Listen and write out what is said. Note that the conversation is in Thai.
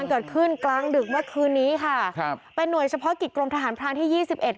นำนำนำนำนำนำนำนำ